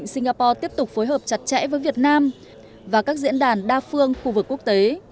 singapore tiếp tục phối hợp chặt chẽ với việt nam và các diễn đàn đa phương khu vực quốc tế